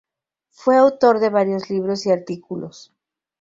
Fue autor de varios libros y artículos.